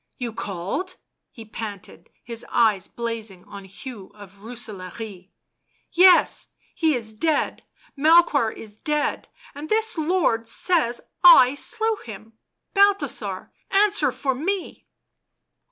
" You called 1 ?" he panted, his eyes blazing on Hugh of Rooselaare. " Yes ; he is dead — Mel choir is dead, and this lord says I slew him — Balthasar, answer for me